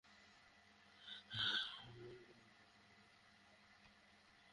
আপাতত পুকুর ভরাটের কাজ বন্ধ রাখার জন্য সংশ্লিষ্ট ব্যক্তিদের বলা হয়েছে।